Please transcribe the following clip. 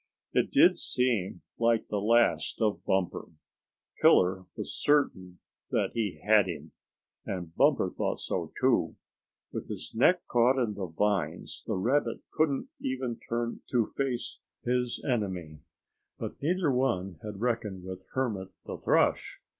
It did seem like the last of Bumper. Killer was certain that he had him, and Bumper thought so too. With his neck caught in the vines, the rabbit couldn't even turn to face his enemy. But neither one had reckoned with Hermit the Thrush.